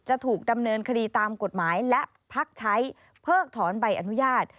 จะถูกดำเนินคดีตามกฎหมายและพักใช้เพิกถอนใบอนุญาต